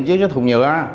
trên cái thùng nhựa